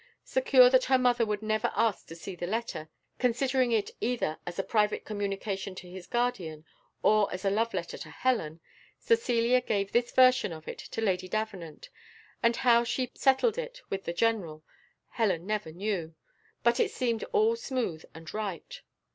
Secure that her mother would never ask to see the letter, considering it either as a private communication to his guardian, or as a love letter to Helen, Cecilia gave this version of it to Lady Davenant; and how she settled it with the general, Helen never knew, but it seemed all smooth and right.